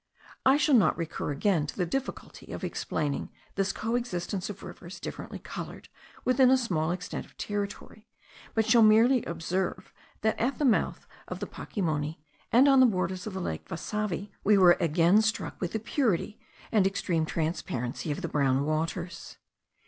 I shall not recur again to the difficulty of explaining this coexistence of rivers differently coloured, within a small extent of territory, but shall merely observe, that at the mouth of the Pacimoni, and on the borders of the lake Vasiva, we were again struck with the purity and extreme transparency of the brown waters.